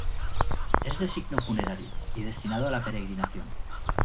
Es de signo funerario y destinado a la peregrinación.